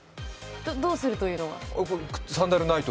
どうする？というと？